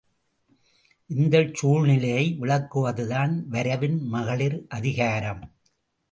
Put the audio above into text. இந்தச் சூழ்நிலையை விளக்குவதுதான் வரைவின் மகளிர் அதிகாரம்.